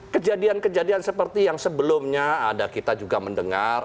kejadian kejadian seperti yang sebelumnya ada kita juga mendengar